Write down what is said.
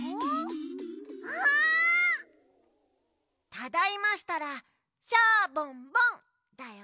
ただいましたら「シャボンボン」だよ。